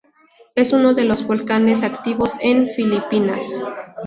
Es uno de los volcanes activos en Filipinas.